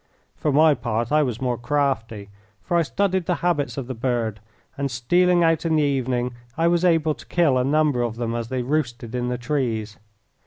For my part, I was more crafty, for I studied the habits of the bird, and stealing out in the evening I was able to kill a number of them as they roosted in the trees.